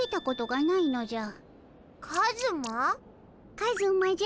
カズマじゃ。